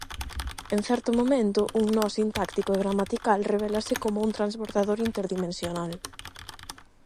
En certo momento, un nó sintáctico e gramatical revélase como un transbordador interdimensional.